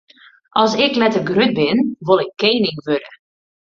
As ik letter grut bin, wol ik kening wurde.